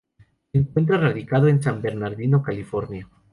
Se encuentra radicado en San Bernardino, California.